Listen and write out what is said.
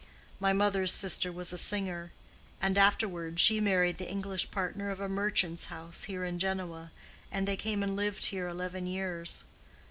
My mother's sister was a singer, and afterward she married the English partner of a merchant's house here in Genoa, and they came and lived here eleven years.